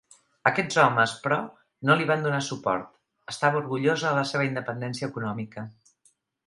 Aquests homes, però, no li van donar suport; estava orgullosa de la seva independència econòmica.